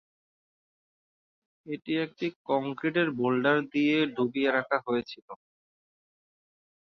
এটি একটি কংক্রিটের বোল্ডার দিয়ে ডুবিয়ে রাখা হয়েছিল।